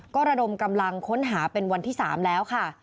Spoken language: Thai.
ก็ระดมกำลังค้นหาเป็นวันที่๓แล้วค่ะ